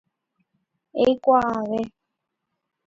Eikuaave.